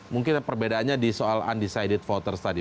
mungkin perbedaannya di soal undecided voters tadi